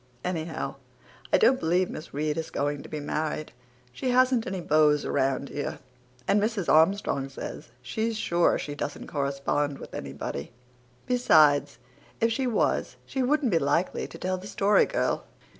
Anyhow, I don't believe Miss Reade is going to be married. She hasn't any beaus around here and Mrs. Armstrong says she's sure she doesn't correspond with anybody. Besides, if she was she wouldn't be likely to tell the Story Girl."